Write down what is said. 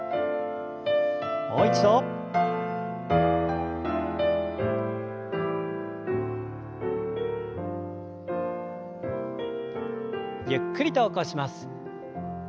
もう一度。ゆっくりと起こします。